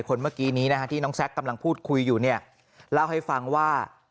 เมื่อกี้นี้นะฮะที่น้องแซคกำลังพูดคุยอยู่เนี่ยเล่าให้ฟังว่า